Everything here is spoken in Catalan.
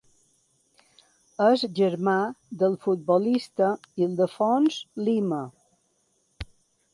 És germà del futbolista Ildefons Lima.